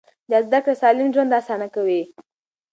دا زده کړه سالم ژوند اسانه کوي.